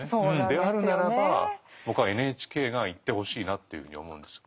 であるならば僕はＮＨＫが言ってほしいなというふうに思うんです。